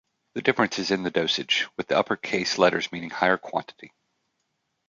The difference is in the dosage, with the upper case letters meaning higher quantity.